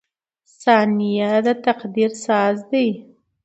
• ثانیه د تقدیر ساز دی.